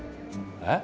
えっ？